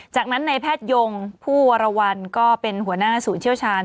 จากนั้นในแพทยงผู้วรวรรณก็เป็นหัวหน้าศูนย์เชี่ยวชาญ